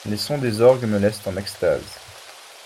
Les sons des orgues me laissent en extase.